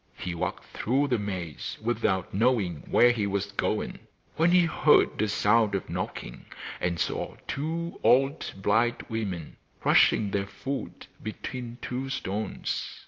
He walked through the maize without knowing where he was going, when he heard a sound of knocking, and saw two old blind women crushing their food between two stones.